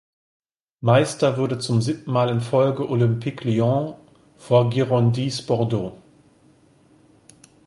Meister wurde zum siebten Mal in Folge Olympique Lyon vor Girondins Bordeaux.